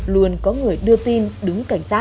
luôn có người đưa tin đưa ra